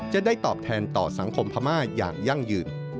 จะได้ตอบแทนต่อสังคมพม่าอย่างยั่งยืน